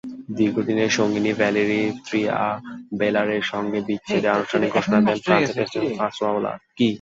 দীর্ঘদিনের সঙ্গিনী ভ্যালেরি ত্রিয়াবেলারের সঙ্গে বিচ্ছেদের আনুষ্ঠানিক ঘোষণা দিয়েছেন ফ্রান্সের প্রেসিডেন্ট ফাঁসোয়া ওলাঁদ।